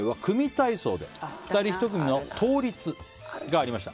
体操で２人１組の倒立がありました。